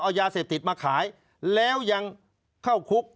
เอายาเสพติดมาขายแล้วยังเข้าคุก